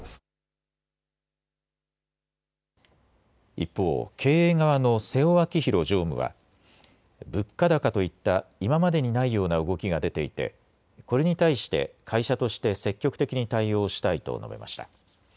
一方、経営側の瀬尾明洋常務は物価高といった今までにないような動きが出ていてこれに対して会社として積極的に対応したいと述べました。